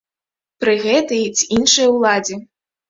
Пры гэтай ці іншай уладзе.